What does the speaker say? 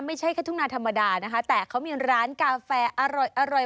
ไม่ใช่แค่ทุ่งนาธรรมดานะคะแต่เขามีร้านกาแฟอร่อย